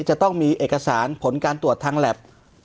จะต้องมีเอกสารผลการตรวจทางแล็บ